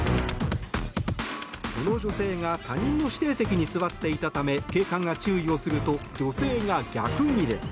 この女性が他人の指定席に座っていたため警官が注意をすると女性が逆ギレ。